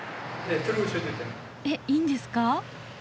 えっいいんですか？